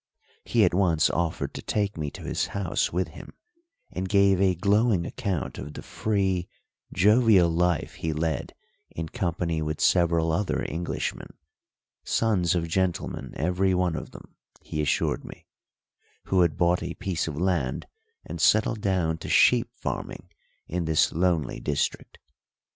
He at once offered to take me to his house with him, and gave a glowing account of the free, jovial life he led in company with several other Englishmen sons of gentlemen, every one of them, he assured me who had bought a piece of land and settled down to sheep farming in this lonely district.